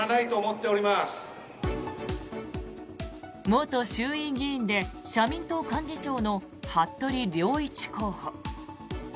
元衆院議員で社民党幹事長の服部良一候補。